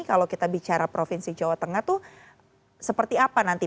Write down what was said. kalau kita bicara provinsi jawa tengah tuh seperti apa nanti